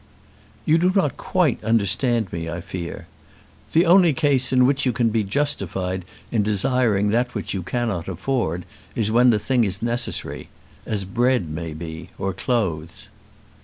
"You do not quite understand me, I fear. The only case in which you can be justified in desiring that which you cannot afford is when the thing is necessary; as bread may be, or clothes."